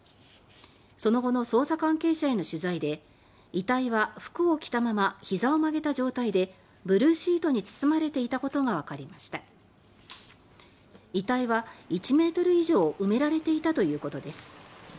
その後の捜査関係者への取材で遺体は、服を着たまま膝を曲げた状態でブルーシートに包まれていたことがわかりました遺体は１ｍ以上埋められていたということです。